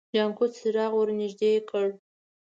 جانکو څراغ ور نږدې کړ.